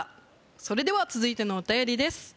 それでは続いてのお便りです